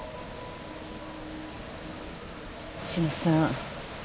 志乃さん。